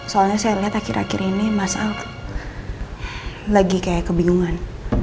soalnya saya lihat akhir akhir ini mas alko lagi kayak kebingungan